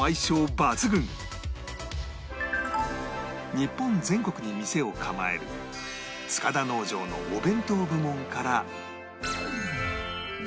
日本全国に店を構える塚田農場のお弁当部門から